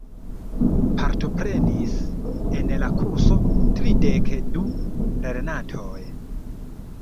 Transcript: Partoprenis en la kurso tridek du lernantoj.